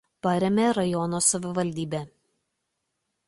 Parėmė rajono savivaldybė.